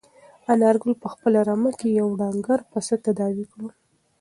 انارګل په خپله رمه کې یو ډنګر پسه تداوي کړ.